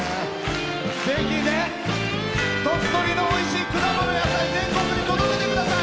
ぜひ鳥取のおいしい野菜全国に届けてください。